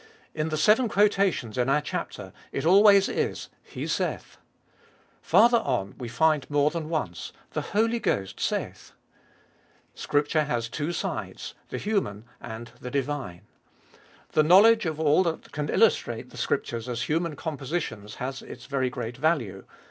In the seven quotations in our chapter it always is, " He saith." Farther on we find more than once, " The Holy Ghost saith." Scripture has two sides, the human and the divine. The knowledge of all that can illustrate the Scrip tures as human compositions has its very great value.